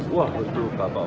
wah betul bapak